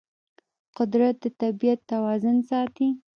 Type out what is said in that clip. قدرت د طبیعت توازن ساتي.